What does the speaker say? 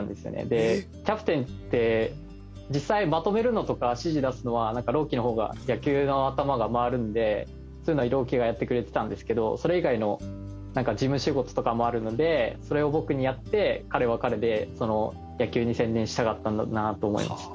でキャプテンって実際まとめるのとか指示出すのは朗希の方が野球の頭が回るんでそういうのは朗希がやってくれてたんですけどそれ以外の事務仕事とかもあるのでそれを僕にやって彼は彼で野球に専念したかったんだろうなと思います。